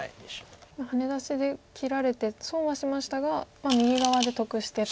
ハネ出しで切られて損はしましたが右側で得してと。